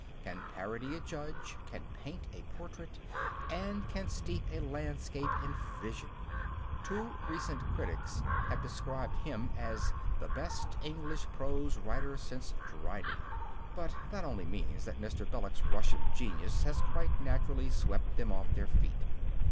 _, can parody a judge, can paint a portrait, and can steep a landscape in vision. Two recent critics have described him as "the best English prose writer since Dryden," but that only means that Mr. Belloc's rush of genius has quite naturally swept them off their feet.